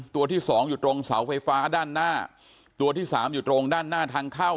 ตัวที่สองอยู่ตรงเสาไฟฟ้าด้านหน้าตัวที่สามอยู่ตรงด้านหน้าทางเข้า